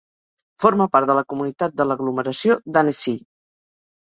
Forma part de la comunitat de l'aglomeració d'Annecy.